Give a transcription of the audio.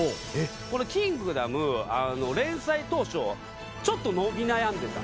この『キングダム』連載当初ちょっと伸び悩んでた。